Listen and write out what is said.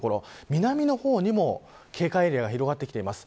南の方にも警戒エリアが広がってきています。